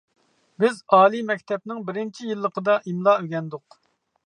بىز ئالىي مەكتەپنىڭ بىرىنچى يىللىقىدا ئىملا ئۆگەندۇق.